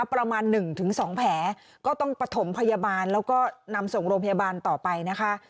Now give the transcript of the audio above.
ประมาณหนึ่งถึงสองแผลก็ต้องปฐมพยาบาลแล้วก็นำส่งโรงพยาบาลต่อไปนะคะ